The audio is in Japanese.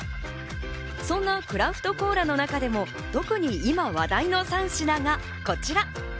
そんなクラフトコーラの中でも特に今、話題の３品がこちら。